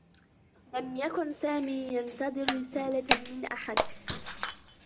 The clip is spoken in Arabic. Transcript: لم يكن سامي ينتظر رسالة من أحد.